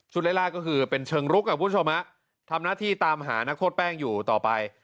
ไล่ล่าก็คือเป็นเชิงลุกอ่ะคุณผู้ชมฮะทำหน้าที่ตามหานักโทษแป้งอยู่ต่อไป